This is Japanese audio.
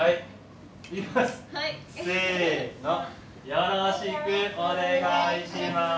よろしくお願いします。